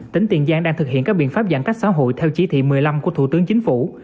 tỉnh tiền giang đang thực hiện các biện pháp giãn cách xã hội theo chỉ thị một mươi năm của thủ tướng chính phủ